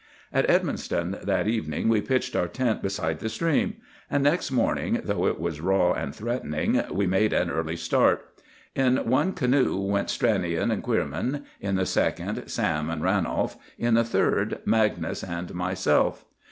At Edmundston that evening we pitched our tent beside the stream; and next morning, though it was raw and threatening, we made an early start. In one canoe went Stranion and Queerman; in the second, Sam and Ranolf; in the third, Magnus and myself.